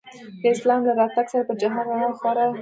د اسلام له راتګ سره په جهان رڼا خوره شوله.